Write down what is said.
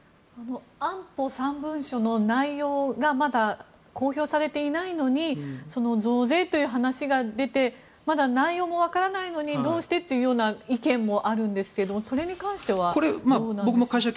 安保３文書の内容がまだ公表されていないのに増税という話が出てまだ内容もわからないのにどうしてというような意見もあるんですけどそれに関してはどうでしょうか。